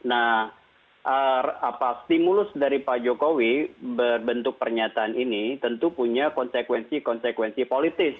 nah stimulus dari pak jokowi berbentuk pernyataan ini tentu punya konsekuensi konsekuensi politis